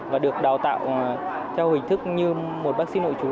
và được đào tạo theo hình thức như một bác sĩ nội chú